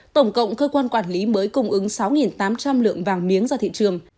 tổng cộng cơ quan quản lý mới cung ứng sáu tám trăm linh lượng vàng miếng ra thị trường